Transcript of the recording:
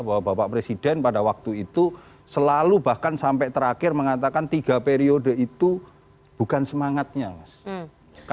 bahwa bapak presiden pada waktu itu selalu bahkan sampai terakhir mengatakan tiga periode itu bukan semangatnya mas